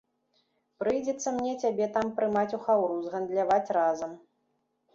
Прыйдзецца мне цябе там прымаць у хаўрус, гандляваць разам.